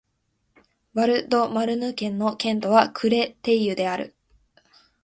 ヴァル＝ド＝マルヌ県の県都はクレテイユである